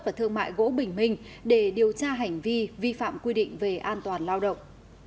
và thương mại gỗ bình minh để điều tra hành vi vi phạm quy định về an toàn lao động